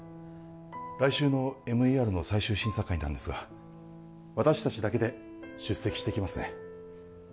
来週のＭＥＲの最終審査会なんですが私達だけで出席してきますね